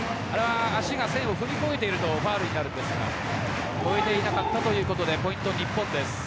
足が線を踏み越えているとファウルになるんですが越えていなかったということでポイント、日本です。